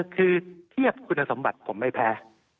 คือเทียบคุณสมบัติผมไม่แพ้